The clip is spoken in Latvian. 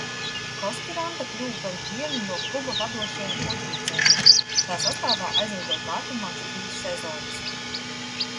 Koskiranta kļuva par vienu no kluba vadošajiem uzbrucējiem, tā sastāvā aizvadot nākamās trīs sezonas.